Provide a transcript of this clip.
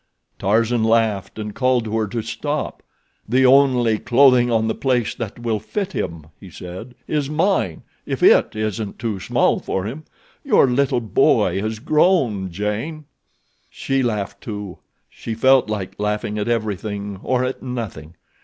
Tarzan laughed and called to her to stop. "The only clothing on the place that will fit him," he said, "is mine—if it isn't too small for him—your little boy has grown, Jane." She laughed, too; she felt like laughing at everything, or at nothing.